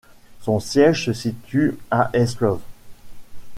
Son siège se situe à Eslöv.